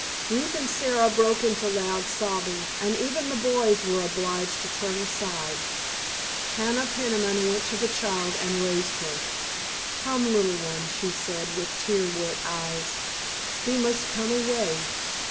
Ruth and Sara broke into loud sobbing, and even the boys were obliged to turn aside. Hannah Peniman went to the child and raised her. "Come, little one," she said with tear wet eyes, "thee must come away.